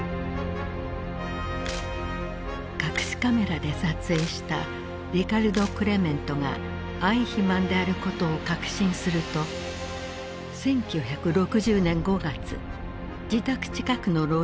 隠しカメラで撮影したリカルド・クレメントがアイヒマンであることを確信すると１９６０年５月自宅近くの路上で誘拐し監禁。